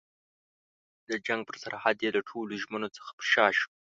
د جنګ پر سرحد یې له ټولو ژمنو څخه پر شا شوه.